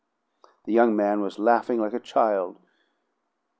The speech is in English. The young man was laughing like a child.